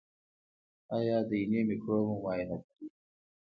ایا د ینې مکروب مو معاینه کړی دی؟